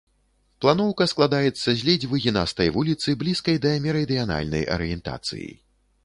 Планоўка складаецца з ледзь выгінастай вуліцы, блізкай да мерыдыянальнай арыентацыі.